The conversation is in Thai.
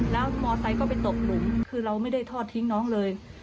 แล้วมอไซค์ก็ไปตกหลุมคือเราไม่ได้ทอดทิ้งน้องเลย